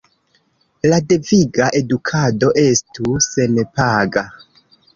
La deviga edukado estu senpaga.